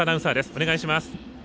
お願いします。